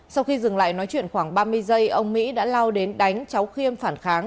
sau khi dừng lại nói chuyện khoảng ba mươi giây ông mỹ đã lao đến đánh cháu khiêm phản kháng